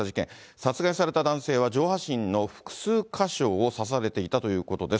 殺害された男性は上半身の複数か所を刺されていたということです。